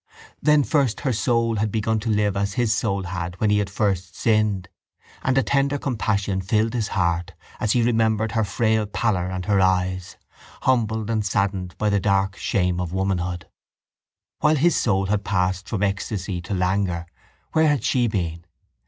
Then first her soul had begun to live as his soul had when he had first sinned, and a tender compassion filled his heart as he remembered her frail pallor and her eyes, humbled and saddened by the dark shame of womanhood. While his soul had passed from ecstasy to languor where had she been?